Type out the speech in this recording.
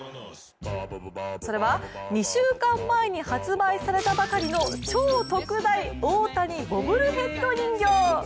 それは２週間前に発売されたばかりの超特大、大谷ボブルヘッド人形。